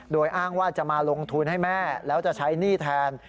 โดยอ้างว่าจะมาลงทุนให้แม่แล้วจะใช้หนี้แทน